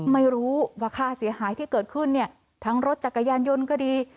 ไม่รู้ว่าค่าเสียหายที่เกิดขึ้นเนี่ยทั้งรถจักรยานยนต์ก็ดี